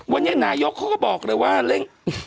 วันนี้นายโยคเขาก็บอกเลยว่าแล้ว